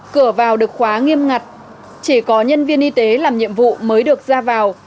cửa vào được khóa nghiêm ngặt chỉ có nhân viên y tế làm nhiệm vụ mới được ra vào